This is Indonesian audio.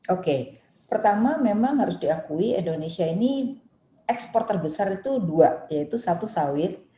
oke pertama memang harus diakui indonesia ini ekspor terbesar itu dua yaitu satu sawit